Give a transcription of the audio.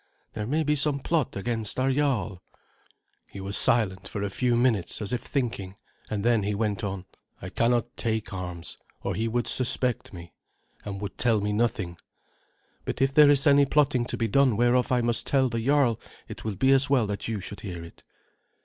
There may be some plot against our jarl." He was silent for a few minutes, as if thinking, and then he went on. "I cannot take arms, or he would suspect me, and would tell me nothing; but if there is any plotting to be done whereof I must tell the jarl, it will be as well that you should hear it."